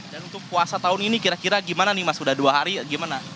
dan untuk puasa tahun ini kira kira gimana nih mas udah dua hari gimana